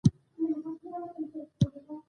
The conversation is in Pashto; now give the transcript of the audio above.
د هغه شونډې موسکا وتخنولې چې چېرته دی.